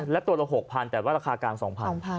และตัวละ๖๐๐แต่ว่าราคากลาง๒๐๐บาท